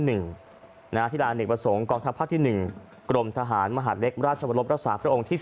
ที่๑นาธิราณิกประสงค์กองทัพภาคที่๑กรมทหารมหาลักษณ์ราชวรรมราชาพระองค์ที่๑๑